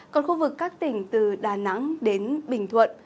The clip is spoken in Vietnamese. còn khu vực các tỉnh từ đà nẵng đến bình thuận